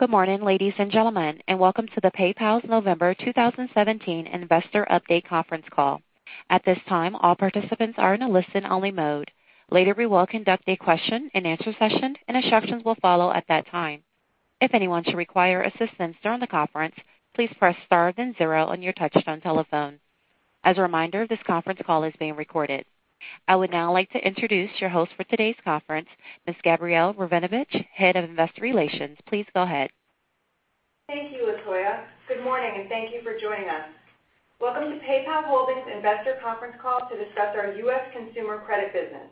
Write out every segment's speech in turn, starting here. Good morning, ladies and gentlemen, and welcome to PayPal's November 2017 Investor Update conference call. At this time, all participants are in a listen-only mode. Later, we will conduct a question and answer session, and instructions will follow at that time. If anyone should require assistance during the conference, please press star then zero on your touch-tone telephone. As a reminder, this conference call is being recorded. I would now like to introduce your host for today's conference, Ms. Gabrielle Rabinovitch, Head of Investor Relations. Please go ahead. Thank you, Latoya. Good morning, and thank you for joining us. Welcome to PayPal Holdings Investor Conference Call to discuss our U.S. consumer credit business.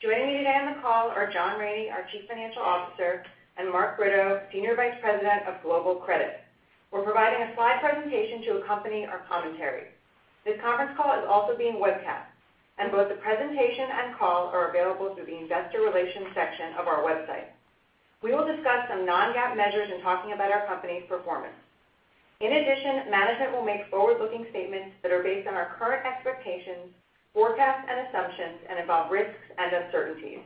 Joining me today on the call are John Rainey, our Chief Financial Officer, and Mark Britto, Senior Vice President of Global Credit. We're providing a slide presentation to accompany our commentary. This conference call is also being webcast, and both the presentation and call are available through the investor relations section of our website. We will discuss some non-GAAP measures in talking about our company's performance. In addition, management will make forward-looking statements that are based on our current expectations, forecasts, and assumptions, and about risks and uncertainties.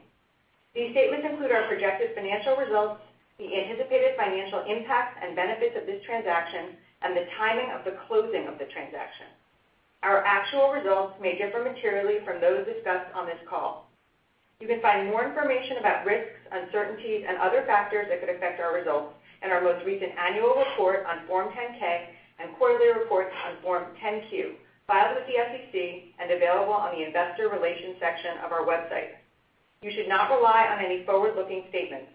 These statements include our projected financial results, the anticipated financial impacts and benefits of this transaction, and the timing of the closing of the transaction. Our actual results may differ materially from those discussed on this call. You can find more information about risks, uncertainties, and other factors that could affect our results in our most recent annual report on Form 10-K and quarterly reports on Form 10-Q, filed with the SEC and available on the investor relations section of our website. You should not rely on any forward-looking statements.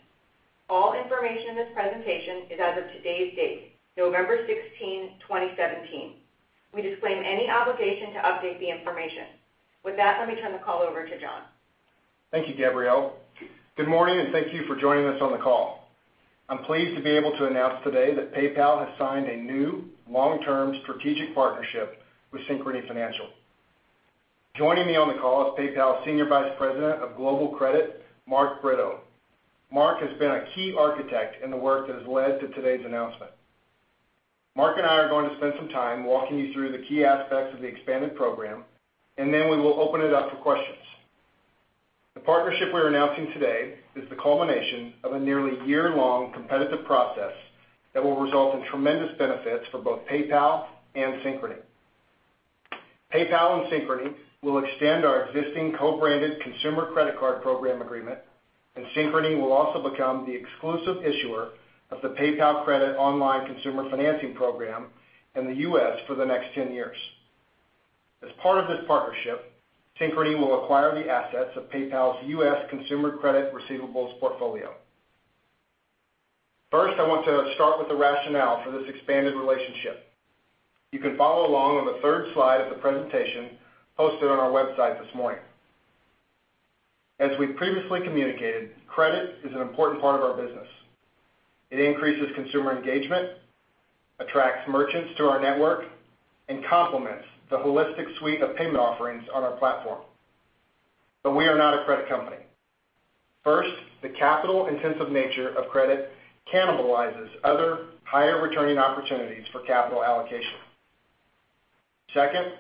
All information in this presentation is as of today's date, November 16, 2017. We disclaim any obligation to update the information. With that, let me turn the call over to John. Thank you, Gabrielle. Good morning, and thank you for joining us on the call. I'm pleased to be able to announce today that PayPal has signed a new long-term strategic partnership with Synchrony Financial. Joining me on the call is PayPal Senior Vice President of Global Credit, Mark Britto. Mark has been a key architect in the work that has led to today's announcement. Mark and I are going to spend some time walking you through the key aspects of the expanded program, and then we will open it up for questions. The partnership we're announcing today is the culmination of a nearly year-long competitive process that will result in tremendous benefits for both PayPal and Synchrony. PayPal and Synchrony will extend our existing co-branded consumer credit card program agreement, Synchrony will also become the exclusive issuer of the PayPal Credit online consumer financing program in the U.S. for the next 10 years. As part of this partnership, Synchrony will acquire the assets of PayPal's U.S. consumer credit receivables portfolio. First, I want to start with the rationale for this expanded relationship. You can follow along on the third slide of the presentation posted on our website this morning. As we previously communicated, credit is an important part of our business. It increases consumer engagement, attracts merchants to our network, and complements the holistic suite of payment offerings on our platform. We are not a credit company. First, the capital-intensive nature of credit cannibalizes other higher-returning opportunities for capital allocation. Second,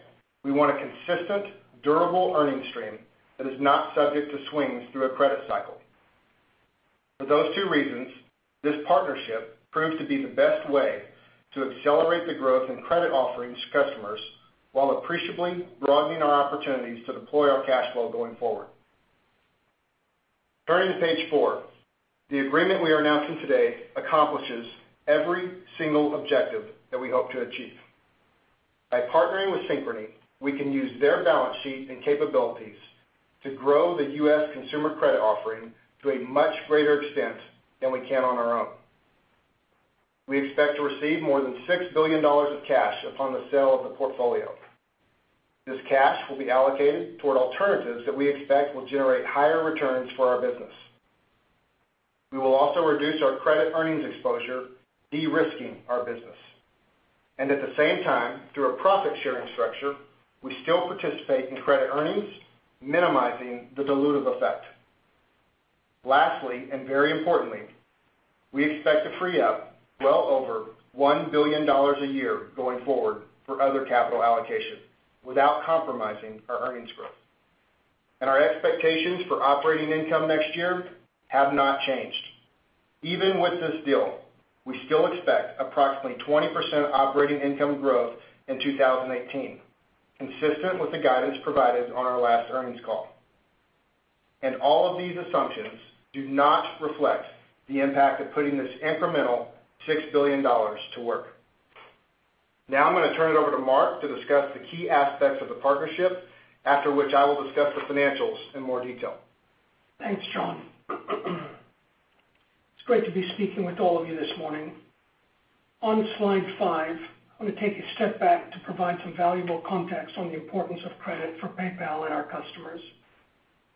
we want a consistent, durable earning stream that is not subject to swings through a credit cycle. For those two reasons, this partnership proves to be the best way to accelerate the growth in credit offerings to customers while appreciably broadening our opportunities to deploy our cash flow going forward. Turning to page four, the agreement we are announcing today accomplishes every single objective that we hope to achieve. By partnering with Synchrony, we can use their balance sheet and capabilities to grow the U.S. consumer credit offering to a much greater extent than we can on our own. We expect to receive more than $6 billion of cash upon the sale of the portfolio. This cash will be allocated toward alternatives that we expect will generate higher returns for our business. We will also reduce our credit earnings exposure, de-risking our business. At the same time, through a profit-sharing structure, we still participate in credit earnings, minimizing the dilutive effect. Lastly, very importantly, we expect to free up well over $1 billion a year going forward for other capital allocation without compromising our earnings growth. Our expectations for operating income next year have not changed. Even with this deal, we still expect approximately 20% operating income growth in 2018, consistent with the guidance provided on our last earnings call. All of these assumptions do not reflect the impact of putting this incremental $6 billion to work. Now I'm going to turn it over to Mark to discuss the key aspects of the partnership, after which I will discuss the financials in more detail. Thanks, John. It's great to be speaking with all of you this morning. On slide five, I'm going to take a step back to provide some valuable context on the importance of credit for PayPal and our customers.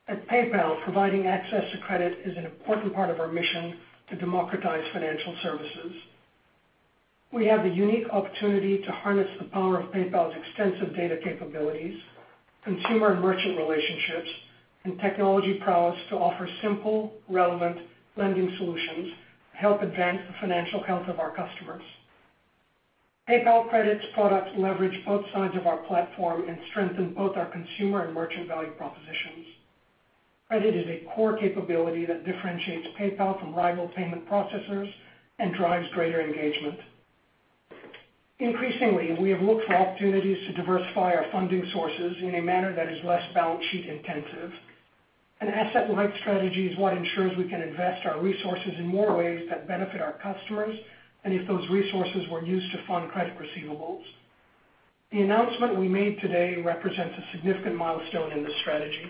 At PayPal, providing access to credit is an important part of our mission to democratize financial services. We have the unique opportunity to harness the power of PayPal's extensive data capabilities, consumer and merchant relationships, and technology prowess to offer simple, relevant lending solutions to help advance the financial health of our customers PayPal Credit products leverage both sides of our platform and strengthen both our consumer and merchant value propositions. Credit is a core capability that differentiates PayPal from rival payment processors and drives greater engagement. Increasingly, we have looked for opportunities to diversify our funding sources in a manner that is less balance sheet intensive. An asset-light strategy is what ensures we can invest our resources in more ways that benefit our customers, and if those resources were used to fund credit receivables. The announcement we made today represents a significant milestone in this strategy.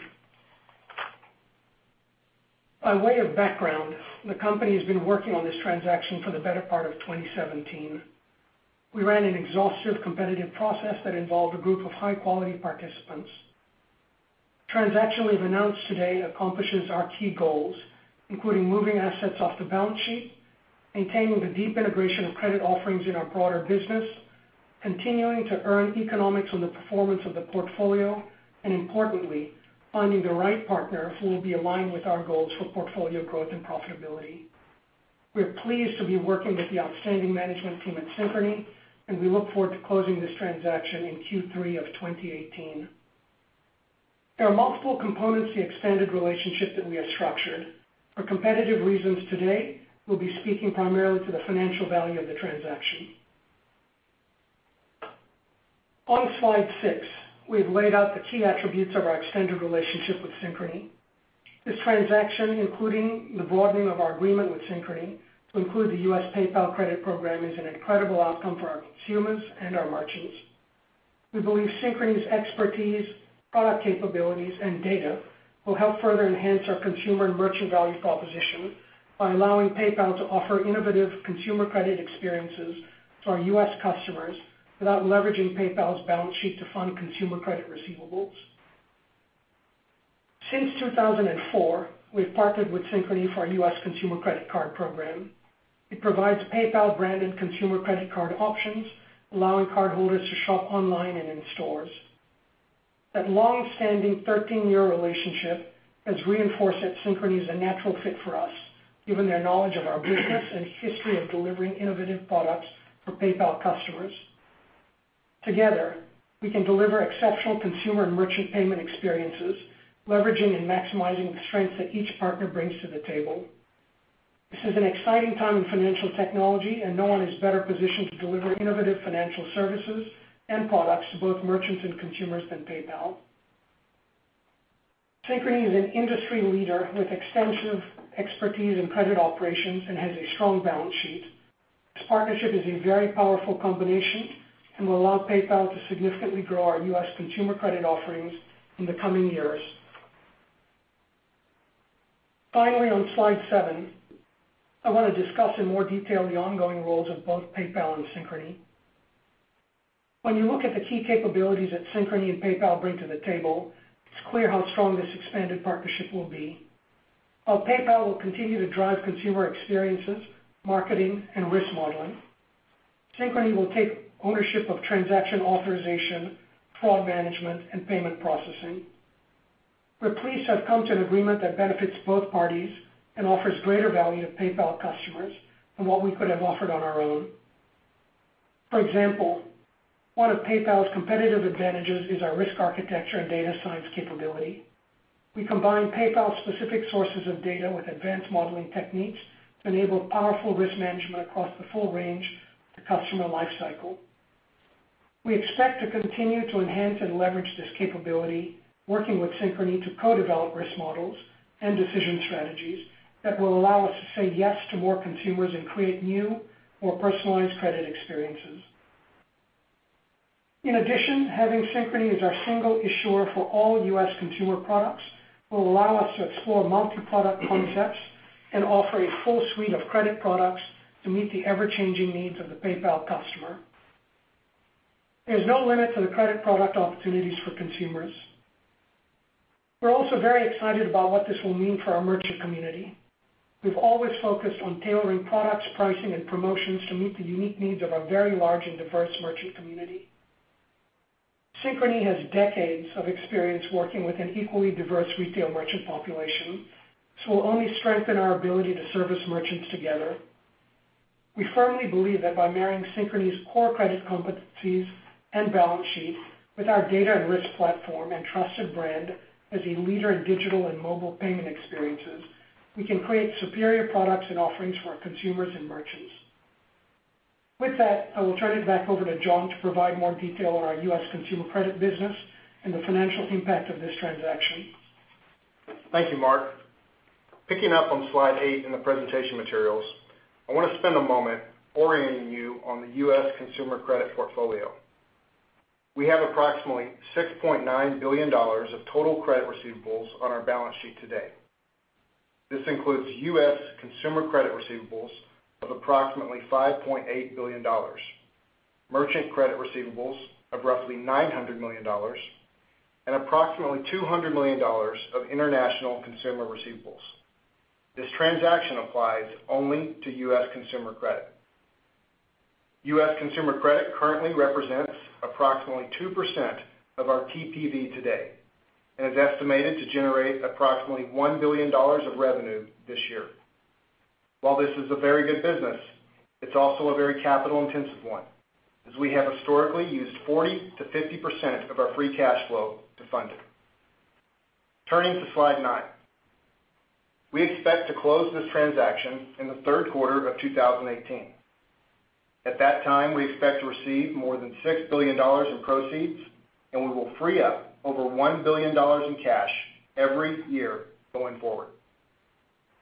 By way of background, the company has been working on this transaction for the better part of 2017. We ran an exhaustive competitive process that involved a group of high-quality participants. The transaction we've announced today accomplishes our key goals, including moving assets off the balance sheet, maintaining the deep integration of credit offerings in our broader business, continuing to earn economics on the performance of the portfolio, and importantly, finding the right partner who will be aligned with our goals for portfolio growth and profitability. We are pleased to be working with the outstanding management team at Synchrony, and we look forward to closing this transaction in Q3 of 2018. There are multiple components to the extended relationship that we have structured. For competitive reasons today, we'll be speaking primarily to the financial value of the transaction. On slide six, we have laid out the key attributes of our extended relationship with Synchrony. This transaction, including the broadening of our agreement with Synchrony to include the U.S. PayPal Credit program, is an incredible outcome for our consumers and our merchants. We believe Synchrony's expertise, product capabilities, and data will help further enhance our consumer and merchant value proposition by allowing PayPal to offer innovative consumer credit experiences to our U.S. customers without leveraging PayPal's balance sheet to fund consumer credit receivables. Since 2004, we've partnered with Synchrony for our U.S. consumer credit card program. It provides PayPal-branded consumer credit card options, allowing cardholders to shop online and in stores. That long-standing 13-year relationship has reinforced that Synchrony is a natural fit for us, given their knowledge of our business and history of delivering innovative products for PayPal customers. Together, we can deliver exceptional consumer and merchant payment experiences, leveraging and maximizing the strengths that each partner brings to the table. This is an exciting time in financial technology, and no one is better positioned to deliver innovative financial services and products to both merchants and consumers than PayPal. Synchrony is an industry leader with extensive expertise in credit operations and has a strong balance sheet. This partnership is a very powerful combination and will allow PayPal to significantly grow our U.S. consumer credit offerings in the coming years. Finally, on slide seven, I want to discuss in more detail the ongoing roles of both PayPal and Synchrony. When you look at the key capabilities that Synchrony and PayPal bring to the table, it's clear how strong this expanded partnership will be. While PayPal will continue to drive consumer experiences, marketing, and risk modeling, Synchrony will take ownership of transaction authorization, fraud management, and payment processing. We're pleased to have come to an agreement that benefits both parties and offers greater value to PayPal customers than what we could have offered on our own. For example, one of PayPal's competitive advantages is our risk architecture and data science capability. We combine PayPal-specific sources of data with advanced modeling techniques to enable powerful risk management across the full range of the customer life cycle. We expect to continue to enhance and leverage this capability, working with Synchrony to co-develop risk models and decision strategies that will allow us to say yes to more consumers and create new, more personalized credit experiences. In addition, having Synchrony as our single issuer for all U.S. consumer products will allow us to explore multi-product concepts and offer a full suite of credit products to meet the ever-changing needs of the PayPal customer. There's no limit to the credit product opportunities for consumers. We're also very excited about what this will mean for our merchant community. We've always focused on tailoring products, pricing, and promotions to meet the unique needs of our very large and diverse merchant community. Synchrony has decades of experience working with an equally diverse retail merchant population, we'll only strengthen our ability to service merchants together. We firmly believe that by marrying Synchrony's core credit competencies and balance sheet with our data and risk platform and trusted brand as a leader in digital and mobile payment experiences, we can create superior products and offerings for our consumers and merchants. With that, I will turn it back over to John to provide more detail on our U.S. consumer credit business and the financial impact of this transaction. Thank you, Mark. Picking up on slide eight in the presentation materials, I want to spend a moment orienting you on the U.S. consumer credit portfolio. We have approximately $6.9 billion of total credit receivables on our balance sheet today. This includes U.S. consumer credit receivables of approximately $5.8 billion, merchant credit receivables of roughly $900 million, and approximately $200 million of international consumer receivables. This transaction applies only to U.S. consumer credit. U.S. consumer credit currently represents approximately 2% of our TPV today and is estimated to generate approximately $1 billion of revenue this year. While this is a very good business, it's also a very capital-intensive one, as we have historically used 40%-50% of our free cash flow to fund it. Turning to slide nine. We expect to close this transaction in the third quarter of 2018. At that time, we expect to receive more than $6 billion in proceeds, we will free up over $1 billion in cash every year going forward.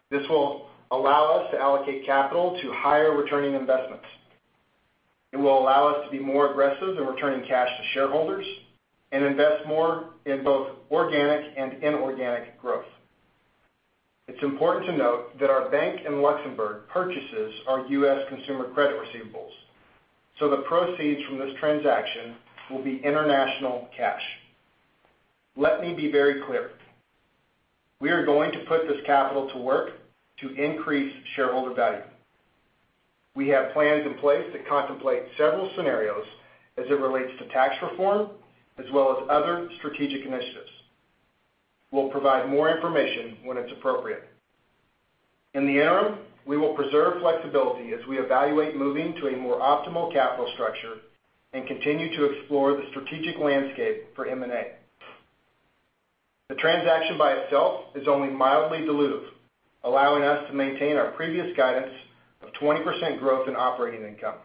This will allow us to allocate capital to higher-returning investments. It will allow us to be more aggressive in returning cash to shareholders and invest more in both organic and inorganic growth. It's important to note that our bank in Luxembourg purchases our U.S. consumer credit receivables, the proceeds from this transaction will be international cash. Let me be very clear, we are going to put this capital to work to increase shareholder value. We have plans in place that contemplate several scenarios as it relates to tax reform, as well as other strategic initiatives. We'll provide more information when it's appropriate. In the interim, we will preserve flexibility as we evaluate moving to a more optimal capital structure and continue to explore the strategic landscape for M&A. The transaction by itself is only mildly dilutive, allowing us to maintain our previous guidance of 20% growth in operating income.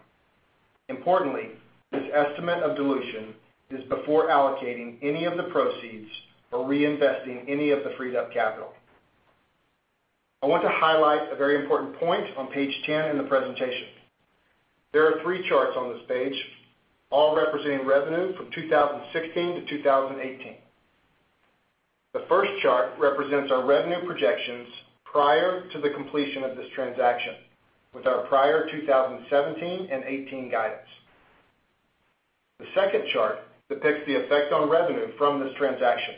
Importantly, this estimate of dilution is before allocating any of the proceeds or reinvesting any of the freed-up capital. I want to highlight a very important point on page 10 in the presentation. There are three charts on this page, all representing revenue from 2016 to 2018. The first chart represents our revenue projections prior to the completion of this transaction with our prior 2017 and 2018 guidance. The second chart depicts the effect on revenue from this transaction.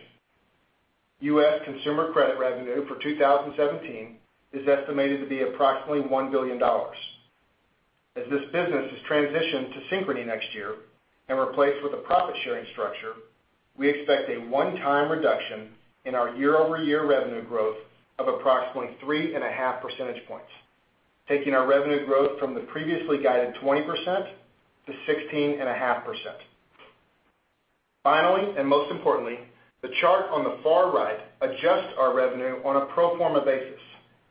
U.S. consumer credit revenue for 2017 is estimated to be approximately $1 billion. As this business is transitioned to Synchrony next year and replaced with a profit-sharing structure, we expect a one-time reduction in our year-over-year revenue growth of approximately three and a half percentage points, taking our revenue growth from the previously guided 20% to 16.5%. Finally, most importantly, the chart on the far right adjusts our revenue on a pro forma basis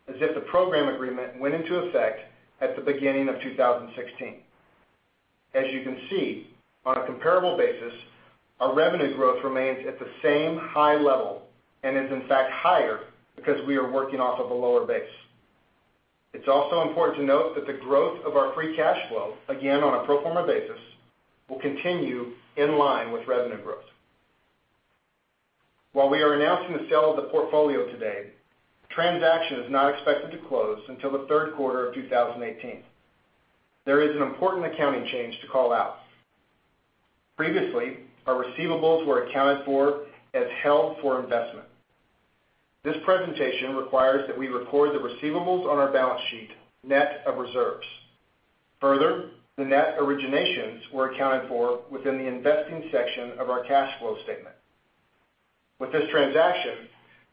as if the program agreement went into effect at the beginning of 2016. As you can see, on a comparable basis, our revenue growth remains at the same high level and is, in fact, higher because we are working off of a lower base. It's also important to note that the growth of our free cash flow, again, on a pro forma basis, will continue in line with revenue growth. While we are announcing the sale of the portfolio today, the transaction is not expected to close until the third quarter of 2018. There is an important accounting change to call out. Previously, our receivables were accounted for as held for investment. This presentation requires that we record the receivables on our balance sheet net of reserves. Further, the net originations were accounted for within the investing section of our cash flow statement. With this transaction,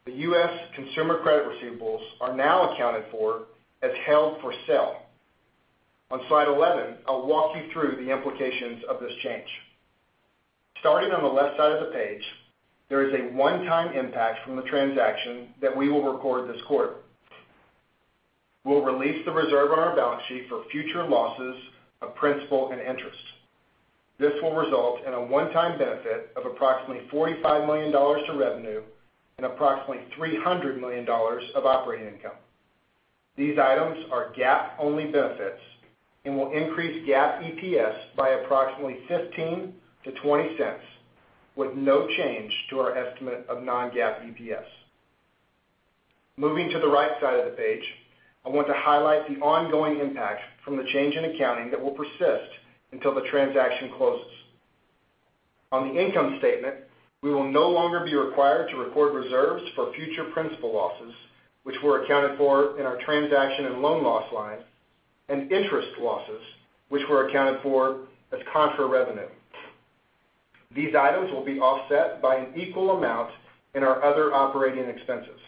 the U.S. consumer credit receivables are now accounted for as held for sale. On slide 11, I'll walk you through the implications of this change. Starting on the left side of the page, there is a one-time impact from the transaction that we will record this quarter. We'll release the reserve on our balance sheet for future losses of principal and interest. This will result in a one-time benefit of approximately $45 million to revenue and approximately $300 million of operating income. These items are GAAP-only benefits and will increase GAAP EPS by approximately $0.15 to $0.20 with no change to our estimate of non-GAAP EPS. Moving to the right side of the page, I want to highlight the ongoing impact from the change in accounting that will persist until the transaction closes. On the income statement, we will no longer be required to record reserves for future principal losses, which were accounted for in our transaction and loan loss line, and interest losses, which were accounted for as contra revenue. These items will be offset by an equal amount in our other operating expenses.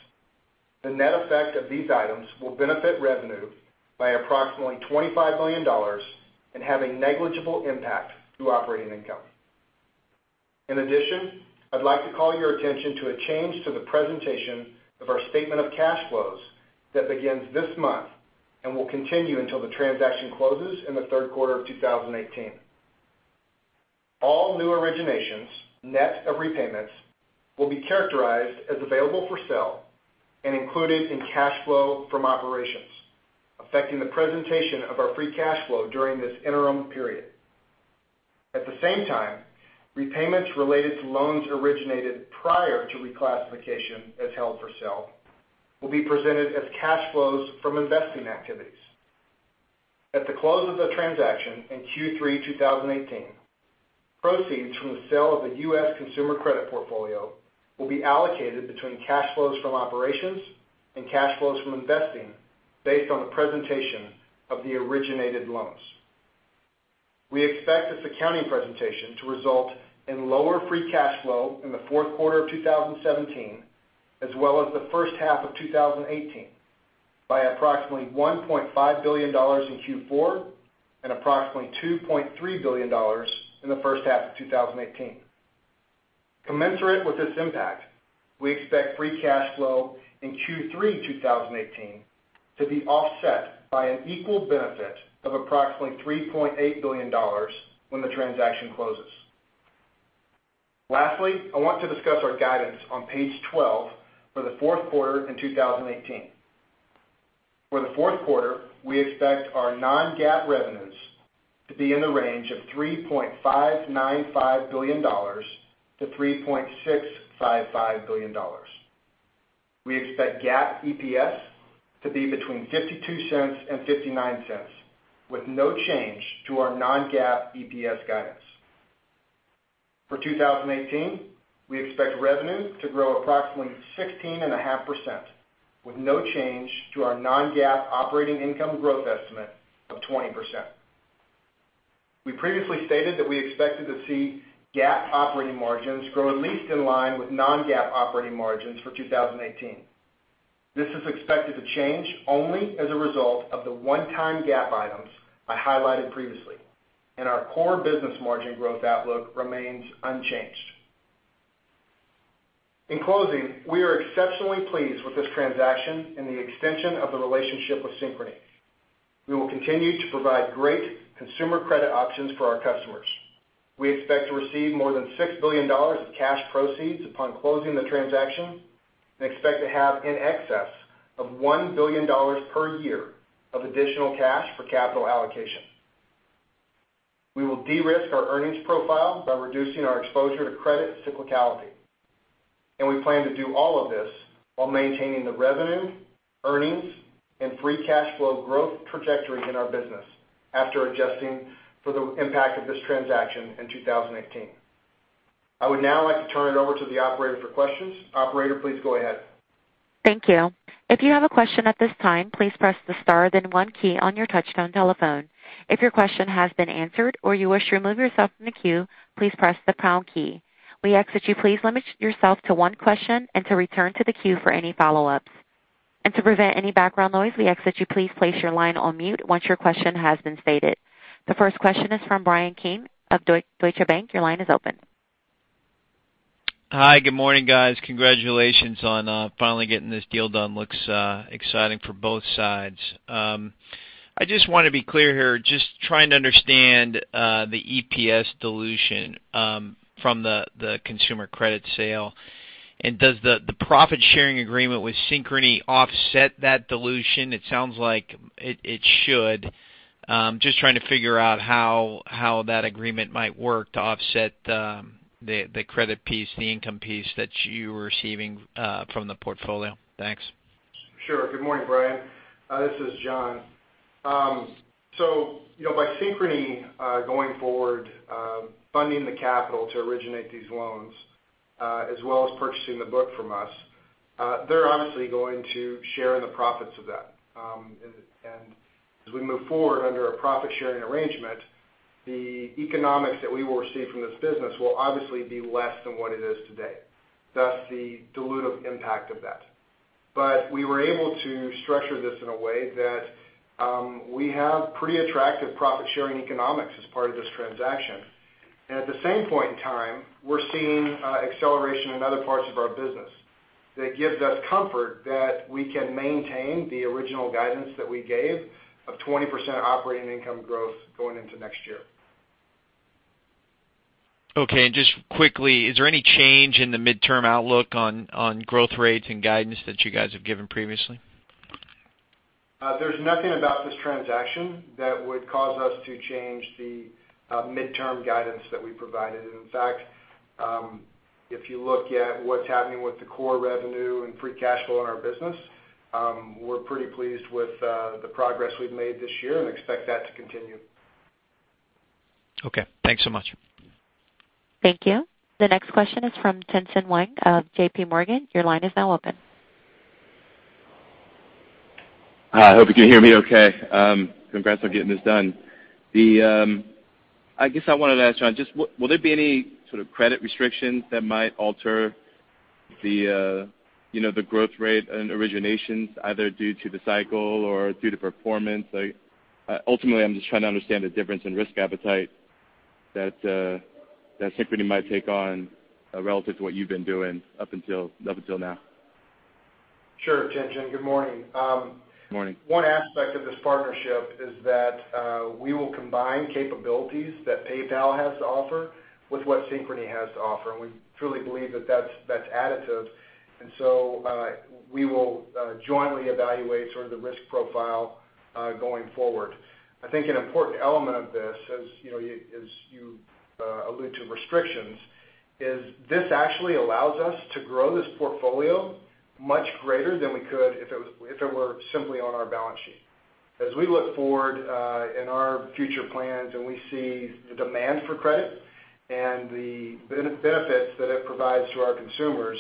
The net effect of these items will benefit revenue by approximately $25 million and have a negligible impact to operating income. In addition, I'd like to call your attention to a change to the presentation of our statement of cash flows that begins this month and will continue until the transaction closes in the third quarter of 2018. All new originations, net of repayments, will be characterized as available for sale and included in cash flow from operations, affecting the presentation of our free cash flow during this interim period. At the same time, repayments related to loans originated prior to reclassification as held for sale will be presented as cash flows from investing activities. At the close of the transaction in Q3 2018, proceeds from the sale of the U.S. consumer credit portfolio will be allocated between cash flows from operations and cash flows from investing based on the presentation of the originated loans. We expect this accounting presentation to result in lower free cash flow in the fourth quarter of 2017, as well as the first half of 2018, by approximately $1.5 billion in Q4 and approximately $2.3 billion in the first half of 2018. Commensurate with this impact, we expect free cash flow in Q3 2018 to be offset by an equal benefit of approximately $3.8 billion when the transaction closes. I want to discuss our guidance on page 12 for the fourth quarter in 2018. For the fourth quarter, we expect our non-GAAP revenues to be in the range of $3.595 billion-$3.655 billion. We expect GAAP EPS to be between $0.52 and $0.59, with no change to our non-GAAP EPS guidance. For 2018, we expect revenues to grow approximately 16.5%, with no change to our non-GAAP operating income growth estimate of 20%. We previously stated that we expected to see GAAP operating margins grow at least in line with non-GAAP operating margins for 2018. This is expected to change only as a result of the one-time GAAP items I highlighted previously, and our core business margin growth outlook remains unchanged. In closing, we are exceptionally pleased with this transaction and the extension of the relationship with Synchrony. We will continue to provide great consumer credit options for our customers. We expect to receive more than $6 billion of cash proceeds upon closing the transaction, and expect to have in excess of $1 billion per year of additional cash for capital allocation. We will de-risk our earnings profile by reducing our exposure to credit cyclicality. I plan to do all of this while maintaining the revenue, earnings, and free cash flow growth trajectory in our business after adjusting for the impact of this transaction in 2018. I would now like to turn it over to the operator for questions. Operator, please go ahead. Thank you. If you have a question at this time, please press the star, then one key on your touchtone telephone. If your question has been answered or you wish to remove yourself from the queue, please press the pound key. We ask that you please limit yourself to one question and to return to the queue for any follow-ups. To prevent any background noise, we ask that you please place your line on mute once your question has been stated. The first question is from Bryan Keane of Deutsche Bank. Your line is open. Hi. Good morning, guys. Congratulations on finally getting this deal done. Looks exciting for both sides. I just want to be clear here. Just trying to understand the EPS dilution from the consumer credit sale. Does the profit-sharing agreement with Synchrony offset that dilution? It sounds like it should. Just trying to figure out how that agreement might work to offset the credit piece, the income piece that you're receiving from the portfolio. Thanks. Sure. Good morning, Bryan. This is John. By Synchrony going forward, funding the capital to originate these loans, as well as purchasing the book from us, they're obviously going to share in the profits of that. As we move forward under a profit-sharing arrangement, the economics that we will receive from this business will obviously be less than what it is today. Thus, the dilutive impact of that. We were able to structure this in a way that we have pretty attractive profit-sharing economics as part of this transaction. At the same point in time, we're seeing acceleration in other parts of our business that gives us comfort that we can maintain the original guidance that we gave of 20% operating income growth going into next year. Okay. Just quickly, is there any change in the midterm outlook on growth rates and guidance that you guys have given previously? There's nothing about this transaction that would cause us to change the midterm guidance that we provided. In fact, if you look at what's happening with the core revenue and free cash flow in our business, we're pretty pleased with the progress we've made this year and expect that to continue. Okay. Thanks so much. Thank you. The next question is from Tien-Tsin Huang of J.P. Morgan. Your line is now open. I hope you can hear me okay. Congrats on getting this done. I guess I wanted to ask, John, just will there be any sort of credit restrictions that might alter the growth rate and originations either due to the cycle or due to performance? Ultimately, I'm just trying to understand the difference in risk appetite that Synchrony might take on relative to what you've been doing up until now. Sure, Tien-Tsin. Good morning. Morning. One aspect of this partnership is that we will combine capabilities that PayPal has to offer with what Synchrony has to offer, and we truly believe that that's additive. We will jointly evaluate sort of the risk profile going forward. I think an important element of this, as you allude to restrictions, is this actually allows us to grow this portfolio much greater than we could if it were simply on our balance sheet. As we look forward in our future plans and we see the demand for credit The benefits that it provides to our consumers,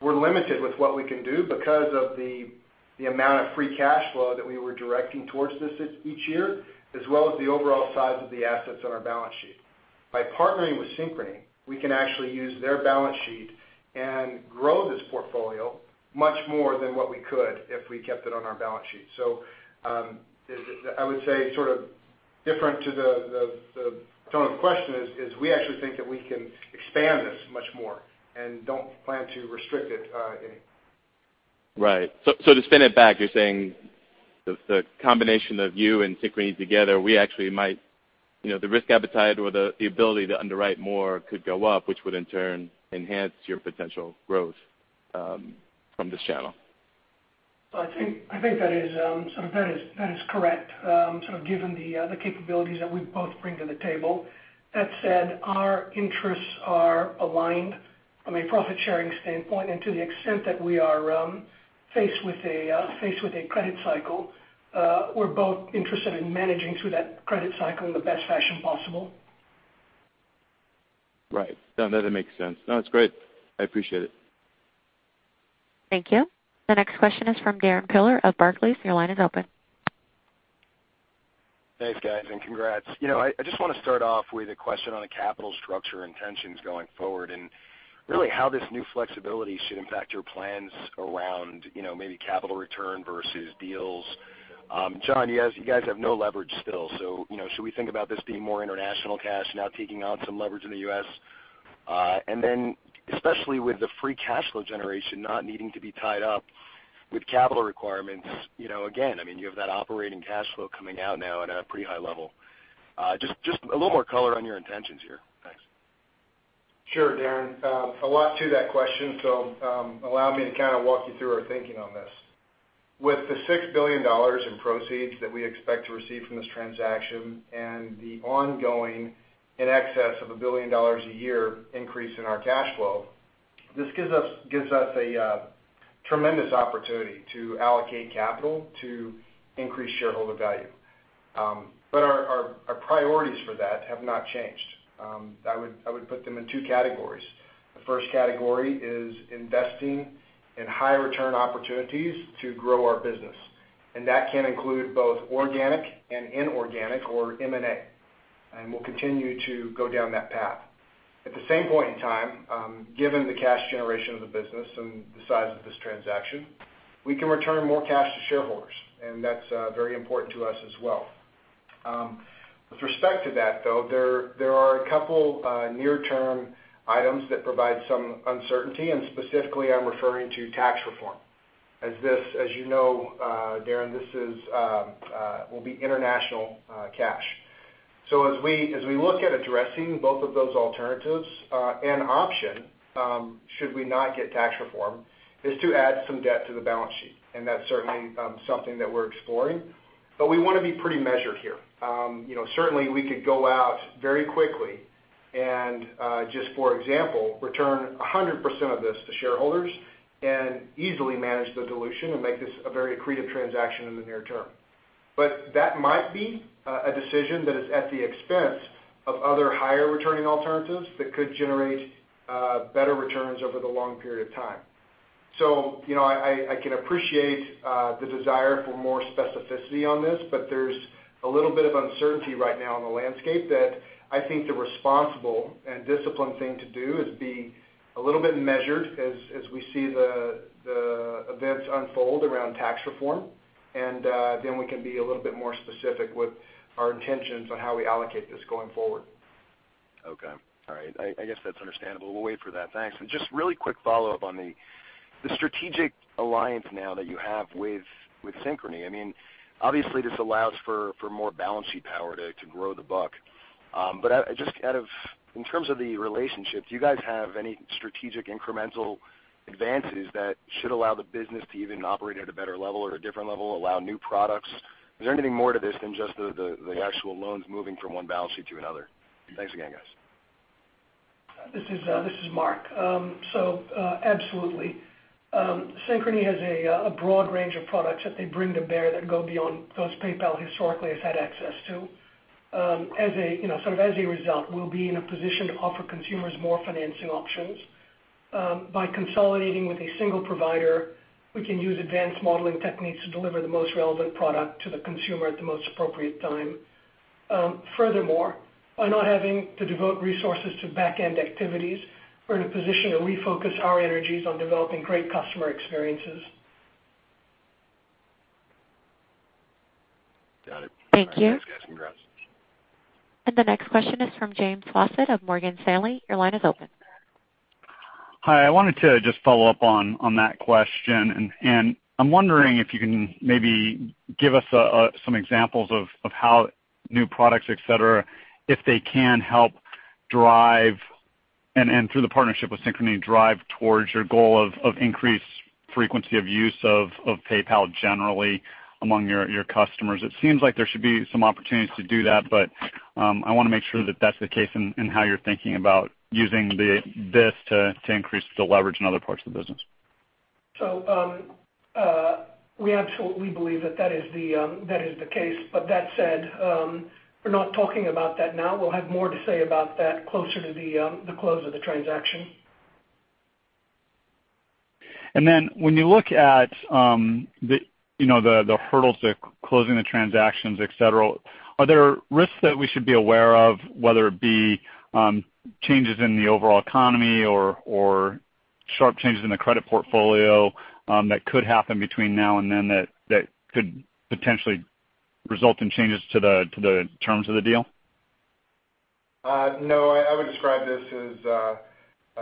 we're limited with what we can do because of the amount of free cash flow that we were directing towards this each year, as well as the overall size of the assets on our balance sheet. By partnering with Synchrony, we can actually use their balance sheet and grow this portfolio much more than what we could if we kept it on our balance sheet. I would say different to the tone of the question is, we actually think that we can expand this much more and don't plan to restrict it any. Right. To spin it back, you're saying the combination of you and Synchrony together, the risk appetite or the ability to underwrite more could go up, which would in turn enhance your potential growth from this channel. I think that is correct, given the capabilities that we both bring to the table. That said, our interests are aligned from a profit-sharing standpoint, and to the extent that we are faced with a credit cycle, we're both interested in managing through that credit cycle in the best fashion possible. Right. No, that makes sense. No, it's great. I appreciate it. Thank you. The next question is from Darrin Peller of Barclays. Your line is open. Thanks, guys, and congrats. I just want to start off with a question on the capital structure intentions going forward, and really how this new flexibility should impact your plans around maybe capital return versus deals. John, you guys have no leverage still, should we think about this being more international cash now taking on some leverage in the U.S.? Then especially with the free cash flow generation not needing to be tied up with capital requirements, again, you have that operating cash flow coming out now at a pretty high level. Just a little more color on your intentions here. Thanks. Sure, Darrin. A lot to that question. Allow me to walk you through our thinking on this. With the $6 billion in proceeds that we expect to receive from this transaction and the ongoing in excess of $1 billion a year increase in our cash flow, this gives us a tremendous opportunity to allocate capital to increase shareholder value. Our priorities for that have not changed. I would put them in two categories. The first category is investing in high-return opportunities to grow our business. That can include both organic and inorganic or M&A, and we'll continue to go down that path. At the same point in time, given the cash generation of the business and the size of this transaction, we can return more cash to shareholders, and that's very important to us as well. With respect to that, though, there are a couple near-term items that provide some uncertainty, and specifically, I'm referring to tax reform. As you know, Darrin, this will be international cash. As we look at addressing both of those alternatives, an option, should we not get tax reform, is to add some debt to the balance sheet, and that's certainly something that we're exploring, but we want to be pretty measured here. Certainly we could go out very quickly and, just for example, return 100% of this to shareholders and easily manage the dilution and make this a very accretive transaction in the near term. That might be a decision that is at the expense of other higher-returning alternatives that could generate better returns over the long period of time. I can appreciate the desire for more specificity on this, there's a little bit of uncertainty right now in the landscape that I think the responsible and disciplined thing to do is be a little bit measured as we see the events unfold around tax reform, and then we can be a little bit more specific with our intentions on how we allocate this going forward. Okay. All right. I guess that's understandable. We'll wait for that. Thanks. Just really quick follow-up on the strategic alliance now that you have with Synchrony. Obviously, this allows for more balance sheet power to grow the book. In terms of the relationship, do you guys have any strategic incremental advances that should allow the business to even operate at a better level or a different level, allow new products? Is there anything more to this than just the actual loans moving from one balance sheet to another? Thanks again, guys. This is Mark. Absolutely. Synchrony has a broad range of products that they bring to bear that go beyond those PayPal historically has had access to. As a result, we will be in a position to offer consumers more financing options. By consolidating with a single provider, we can use advanced modeling techniques to deliver the most relevant product to the consumer at the most appropriate time. Furthermore, by not having to devote resources to back-end activities, we are in a position to refocus our energies on developing great customer experiences. Got it. Thank you. All right. Thanks, guys. Congrats. The next question is from James Faucette of Morgan Stanley. Your line is open. Hi. I wanted to just follow up on that question, and I'm wondering if you can maybe give us some examples of how new products, et cetera, if they can help drive, and through the partnership with Synchrony, drive towards your goal of increased frequency of use of PayPal generally among your customers. It seems like there should be some opportunities to do that, but I want to make sure that that's the case in how you're thinking about using this to increase the leverage in other parts of the business. We absolutely believe that that is the case. That said, we're not talking about that now. We'll have more to say about that closer to the close of the transaction. When you look at the hurdles of closing the transactions, et cetera, are there risks that we should be aware of, whether it be changes in the overall economy or sharp changes in the credit portfolio that could happen between now and then that could potentially result in changes to the terms of the deal? No. I would describe this as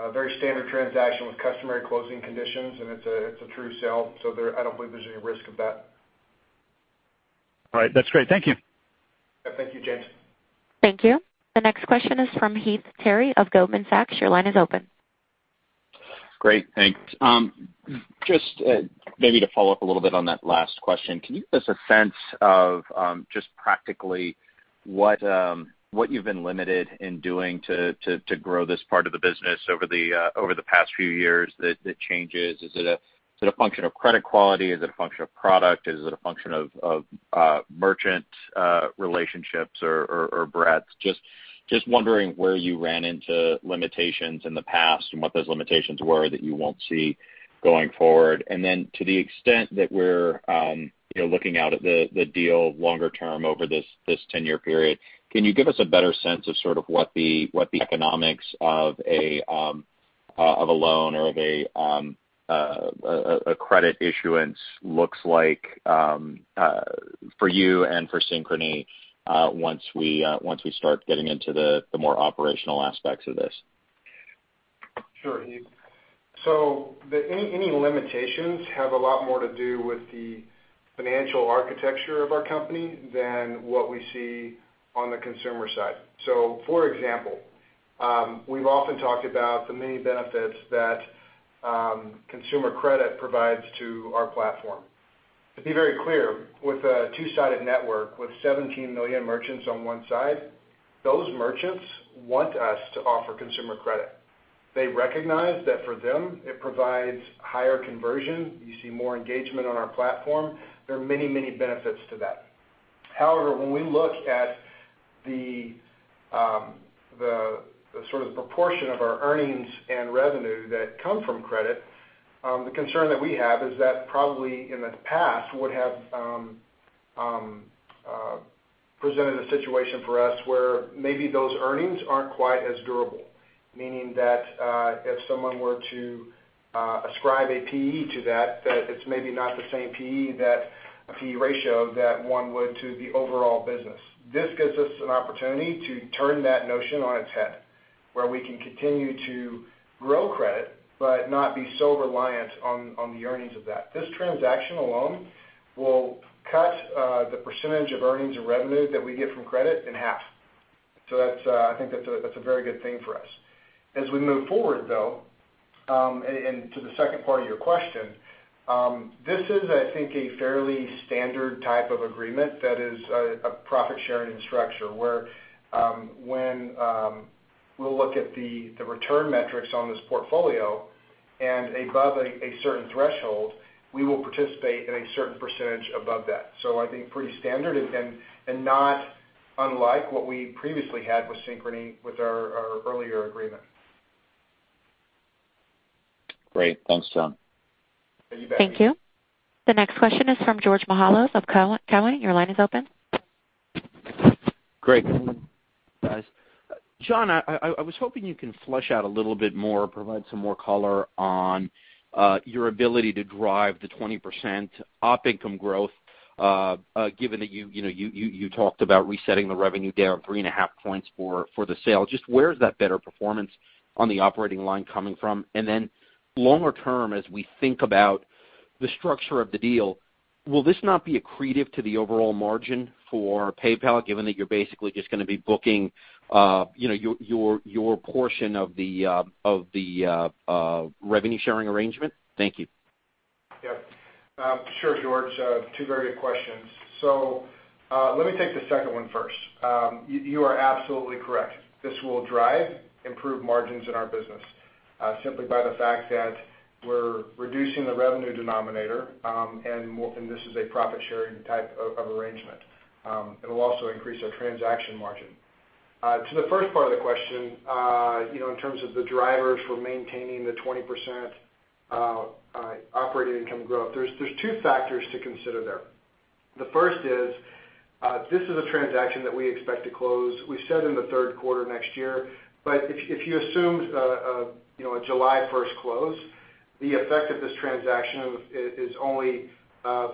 a very standard transaction with customary closing conditions, and it's a true sale, so I don't believe there's any risk of that. All right. That's great. Thank you. Thank you, James. Thank you. The next question is from Heath Terry of Goldman Sachs. Your line is open. Great. Thanks. Just maybe to follow up a little bit on that last question, can you give us a sense of just practically what you've been limited in doing to grow this part of the business over the past few years that changes? Is it a function of credit quality? Is it a function of product? Is it a function of merchant relationships or breadth? Just wondering where you ran into limitations in the past and what those limitations were that you won't see going forward. Then to the extent that we're looking out at the deal longer term over this 10-year period, can you give us a better sense of sort of what the economics of a loan or of a credit issuance looks like for you and for Synchrony once we start getting into the more operational aspects of this? Sure, Heath. Any limitations have a lot more to do with the financial architecture of our company than what we see on the consumer side. For example, we've often talked about the many benefits that consumer credit provides to our platform. To be very clear, with a two-sided network with 17 million merchants on one side, those merchants want us to offer consumer credit. They recognize that for them, it provides higher conversion. You see more engagement on our platform. There are many benefits to that. However, when we look at the sort of proportion of our earnings and revenue that come from credit, the concern that we have is that probably in the past would have presented a situation for us where maybe those earnings aren't quite as durable, meaning that if someone were to ascribe a PE to that it's maybe not the same PE ratio that one would to the overall business. This gives us an opportunity to turn that notion on its head, where we can continue to grow credit, but not be so reliant on the earnings of that. This transaction alone will cut the percentage of earnings and revenue that we get from credit in half. I think that's a very good thing for us. As we move forward, though, and to the second part of your question, this is, I think, a fairly standard type of agreement that is a profit-sharing structure, where when we'll look at the return metrics on this portfolio and above a certain threshold, we will participate in a certain percentage above that. I think pretty standard, and not unlike what we previously had with Synchrony with our earlier agreement. Great. Thanks, John. You bet, Heath. Thank you. The next question is from Georgios Mihalos of Cowen. Your line is open. Great. Good morning, guys. John, I was hoping you can flesh out a little bit more, provide some more color on your ability to drive the 20% Op income growth, given that you talked about resetting the revenue down three and a half points for the sale. Just where is that better performance on the operating line coming from? Then longer term, as we think about the structure of the deal, will this not be accretive to the overall margin for PayPal, given that you're basically just going to be booking your portion of the revenue-sharing arrangement? Thank you. Yeah. Sure, George. Let me take the second one first. You are absolutely correct. This will drive improved margins in our business simply by the fact that we're reducing the revenue denominator, and this is a profit-sharing type of arrangement. It'll also increase our transaction margin. To the first part of the question, in terms of the drivers for maintaining the 20% operating income growth, there's two factors to consider there. The first is, this is a transaction that we expect to close, we said in the third quarter next year. If you assume a July 1st close, the effect of this transaction is only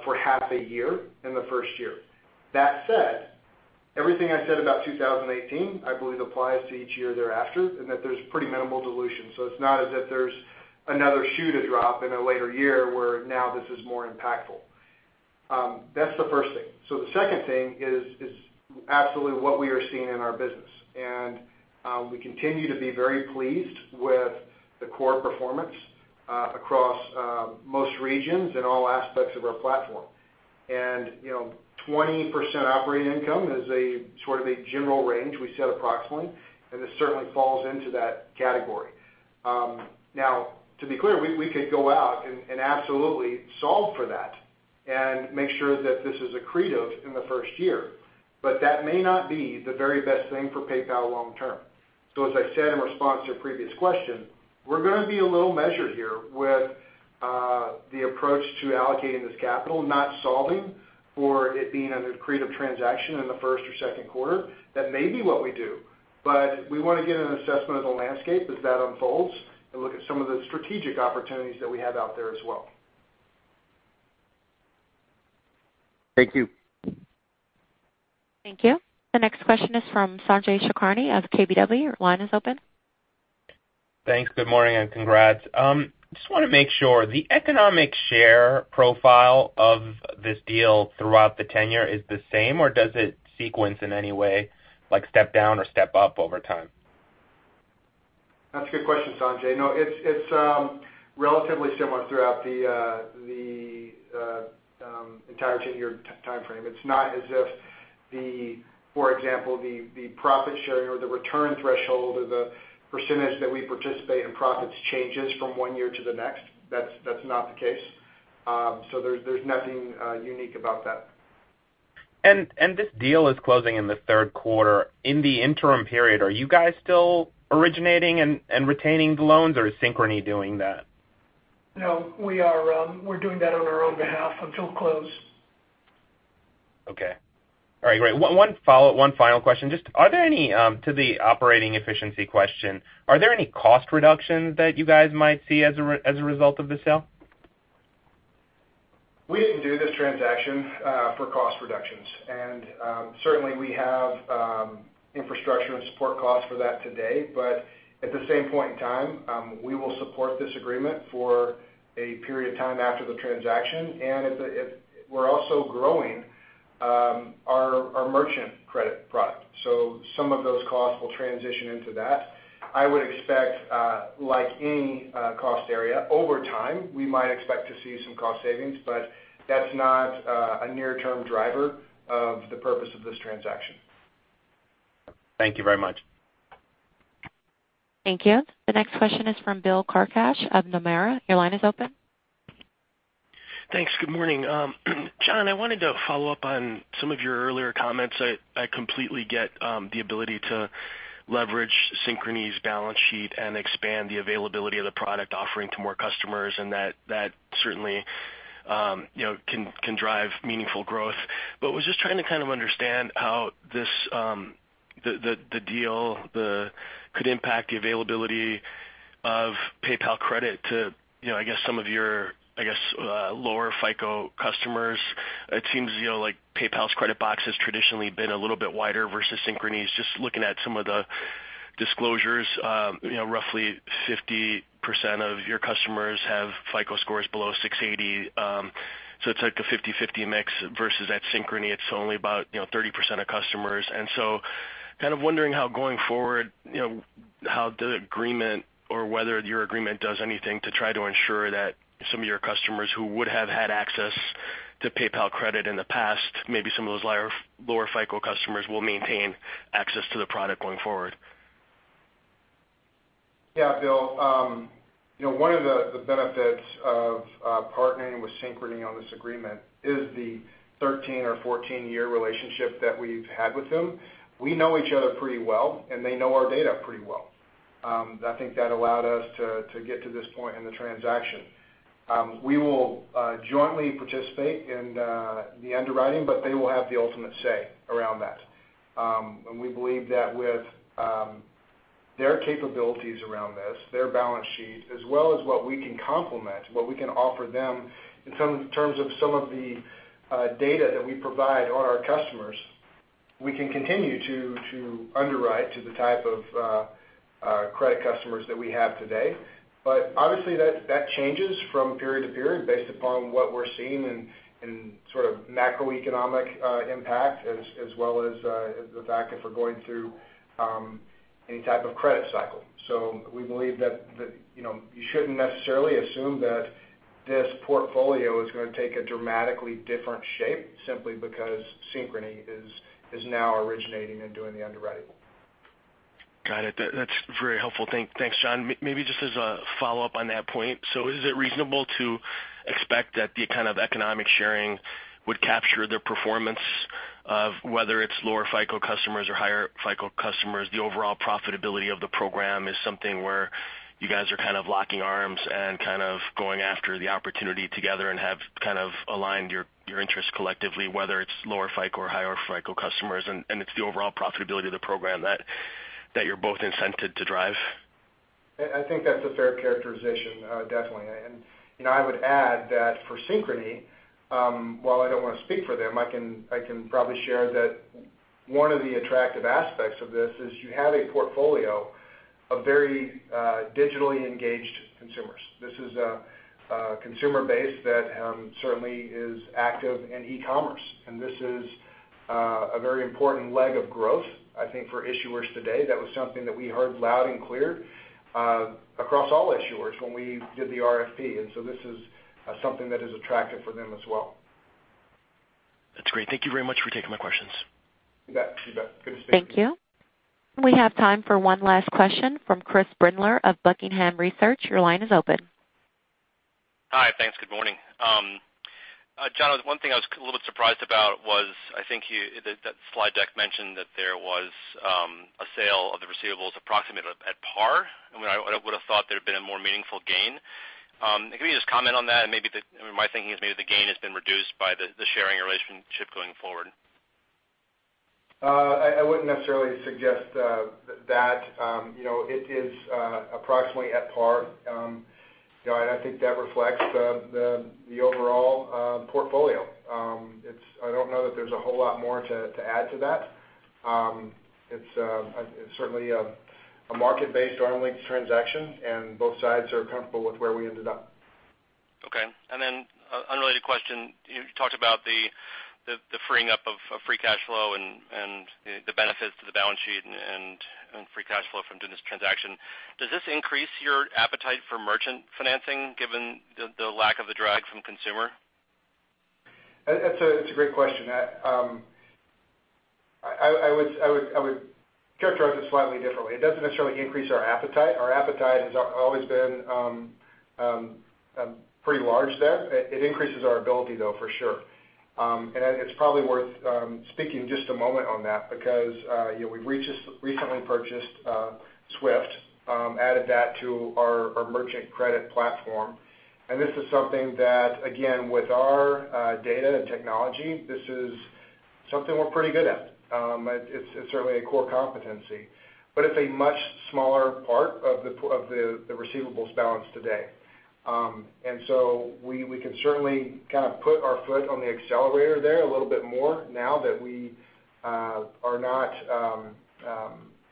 for half a year in the first year. That said, everything I said about 2018, I believe applies to each year thereafter, and that there's pretty minimal dilution. It's not as if there's another shoe to drop in a later year where now this is more impactful. That's the first thing. The second thing is absolutely what we are seeing in our business, and we continue to be very pleased with the core performance across most regions in all aspects of our platform. 20% operating income is a general range we set approximately, and this certainly falls into that category. To be clear, we could go out and absolutely solve for that and make sure that this is accretive in the first year, that may not be the very best thing for PayPal long term. As I said in response to a previous question, we're going to be a little measured here with the approach to allocating this capital, not solving for it being an accretive transaction in the first or second quarter. That may be what we do, we want to get an assessment of the landscape as that unfolds and look at some of the strategic opportunities that we have out there as well. Thank you. Thank you. The next question is from Sanjay Sakhrani of KBW. Your line is open. Thanks. Good morning, congrats. Just want to make sure. The economic share profile of this deal throughout the tenure is the same, or does it sequence in any way, like step down or step up over time? That's a good question, Sanjay. No, it's relatively similar throughout the entire ten-year timeframe. It's not as if the, for example, the profit sharing or the return threshold or the percentage that we participate in profits changes from one year to the next. That's not the case. There's nothing unique about that. This deal is closing in the third quarter. In the interim period, are you guys still originating and retaining the loans, or is Synchrony doing that? No, we're doing that on our own behalf until close. Okay. All right, great. One final question. To the operating efficiency question, are there any cost reductions that you guys might see as a result of the sale? We didn't do this transaction for cost reductions. Certainly, we have infrastructure and support costs for that today. At the same point in time, we will support this agreement for a period of time after the transaction. We're also growing our merchant credit product. Some of those costs will transition into that. I would expect, like any cost area, over time, we might expect to see some cost savings, but that's not a near-term driver of the purpose of this transaction. Thank you very much. Thank you. The next question is from Bill Carcache of Nomura. Your line is open. Thanks. Good morning. John, I wanted to follow up on some of your earlier comments. I completely get the ability to leverage Synchrony's balance sheet and expand the availability of the product offering to more customers, and that certainly can drive meaningful growth. I was just trying to understand how the deal could impact the availability of PayPal Credit to, I guess, some of your lower FICO customers. It seems like PayPal's credit box has traditionally been a little bit wider versus Synchrony's. Just looking at some of the disclosures, roughly 50% of your customers have FICO scores below 680. It's like a 50/50 mix versus at Synchrony, it's only about 30% of customers. I was wondering how going forward, how the agreement or whether your agreement does anything to try to ensure that some of your customers who would have had access to PayPal Credit in the past, maybe some of those lower FICO customers will maintain access to the product going forward. Yeah, Bill. One of the benefits of partnering with Synchrony on this agreement is the 13 or 14-year relationship that we've had with them. We know each other pretty well, and they know our data pretty well. I think that allowed us to get to this point in the transaction. We will jointly participate in the underwriting, but they will have the ultimate say around that. We believe that with their capabilities around this, their balance sheet, as well as what we can complement, what we can offer them in terms of some of the data that we provide on our customers, we can continue to underwrite to the type of credit customers that we have today. Obviously, that changes from period to period based upon what we're seeing in macroeconomic impact, as well as the fact if we're going through any type of credit cycle. We believe that you shouldn't necessarily assume that this portfolio is going to take a dramatically different shape simply because Synchrony is now originating and doing the underwriting. Got it. That's very helpful. Thanks, John. Maybe just as a follow-up on that point. Is it reasonable to expect that the kind of economic sharing would capture the performance of whether it's lower FICO customers or higher FICO customers, the overall profitability of the program is something where you guys are locking arms and going after the opportunity together and have aligned your interests collectively, whether it's lower FICO or higher FICO customers, and it's the overall profitability of the program that you're both incented to drive? I think that's a fair characterization, definitely. I would add that for Synchrony, while I don't want to speak for them, I can probably share that one of the attractive aspects of this is you have a portfolio of very digitally engaged consumers. This is a consumer base that certainly is active in e-commerce, and this is a very important leg of growth, I think for issuers today. That was something that we heard loud and clear across all issuers when we did the RFP. This is something that is attractive for them as well. That's great. Thank you very much for taking my questions. You bet. Good to speak with you. Thank you. We have time for one last question from Chris Brendler of Buckingham Research. Your line is open. Hi. Thanks. Good morning. John, one thing I was a little bit surprised about was, I think that slide deck mentioned that there was a sale of the receivables approximate at par, and I would've thought there'd been a more meaningful gain. Can you just comment on that? My thinking is maybe the gain has been reduced by the sharing relationship going forward. I wouldn't necessarily suggest that. It is approximately at par. I don't know that there's a whole lot more to add to that. It's certainly a market-based arm's length transaction, and both sides are comfortable with where we ended up. Okay. Unrelated question, you talked about the freeing up of free cash flow and the benefits to the balance sheet and free cash flow from doing this transaction. Does this increase your appetite for merchant financing given the lack of the drag from consumer? That's a great question. I would characterize it slightly differently. It doesn't necessarily increase our appetite. Our appetite has always been pretty large there. It increases our ability though, for sure. It's probably worth speaking just a moment on that because we've recently purchased Swift Financial, added that to our merchant credit platform. This is something that, again, with our data and technology, this is something we're pretty good at. It's certainly a core competency, but it's a much smaller part of the receivables balance today. So we can certainly put our foot on the accelerator there a little bit more now that we are not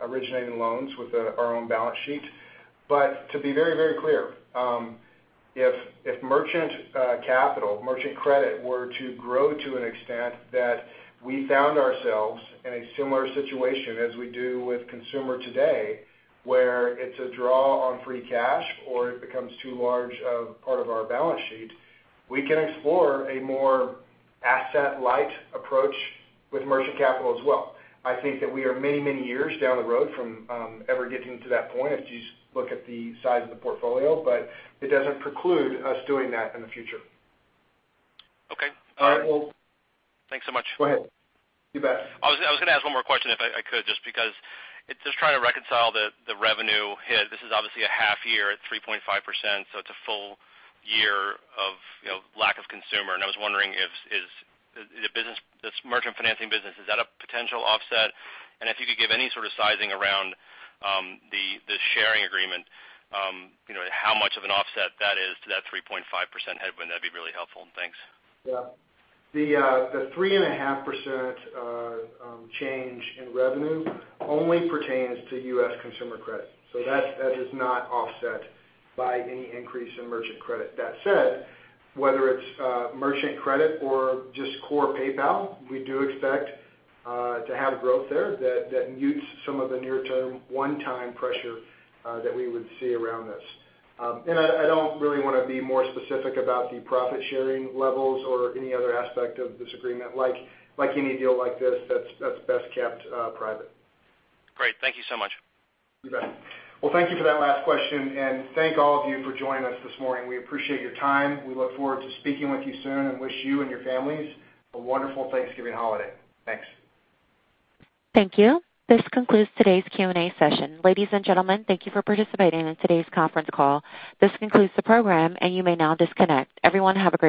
originating loans with our own balance sheet. To be very clear, if merchant capital, merchant credit were to grow to an extent that we found ourselves in a similar situation as we do with consumer today, where it's a draw on free cash flow or it becomes too large a part of our balance sheet, we can explore a more asset-light approach with merchant capital as well. I think that we are many years down the road from ever getting to that point, if you look at the size of the portfolio, but it doesn't preclude us doing that in the future. Okay. All right, well- Thanks so much. Go ahead. You bet. I was gonna ask one more question if I could, just because, just trying to reconcile the revenue hit. This is obviously a half year at 3.5%, so it's a full year of lack of consumer. I was wondering if this merchant financing business, is that a potential offset? If you could give any sort of sizing around the sharing agreement, how much of an offset that is to that 3.5% headwind, that'd be really helpful. Thanks. Yeah. The 3.5% change in revenue only pertains to U.S. consumer credit, so that is not offset by any increase in merchant credit. That said, whether it's merchant credit or just core PayPal, we do expect to have growth there that mutes some of the near-term one-time pressure that we would see around this. I don't really want to be more specific about the profit-sharing levels or any other aspect of this agreement. Like any deal like this, that's best kept private. Great. Thank you so much. You bet. Well, thank you for that last question. Thank all of you for joining us this morning. We appreciate your time. We look forward to speaking with you soon and wish you and your families a wonderful Thanksgiving holiday. Thanks. Thank you. This concludes today's Q&A session. Ladies and gentlemen, thank you for participating in today's conference call. This concludes the program. You may now disconnect. Everyone have a great day.